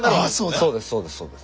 そうですそうです。